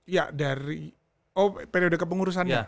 ya dari periode kepengurusannya